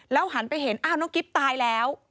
แล้วหันไปเห็นน้องกิ๊บตายแล้ว